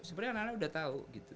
sebenarnya anak anak sudah tahu gitu